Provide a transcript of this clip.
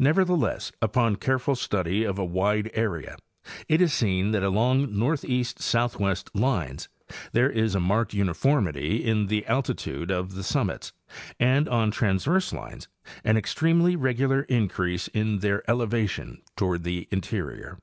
Neverthe less, upon careful study of a wide area, it is seen that along north east southwest lines there is a marked uniformity in the altitude of the summits, and on transverse lines an extremely regular in crease in their elevation toward the interior.